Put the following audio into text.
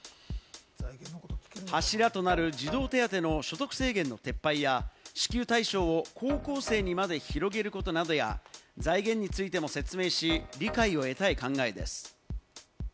柱となる児童手当の所得制限の撤廃や支給対象を高校生にまで広げることや、財源についても説明し、理解を得たい考えです。